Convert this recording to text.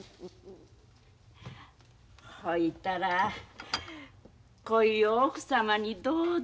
ほいたらこい奥様にどうぞ。